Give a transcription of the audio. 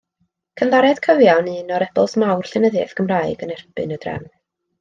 Cynddaredd cyfiawn un o rebels mawr llenyddiaeth Gymraeg yn erbyn y drefn.